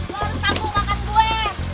lo harus tanggung makan gue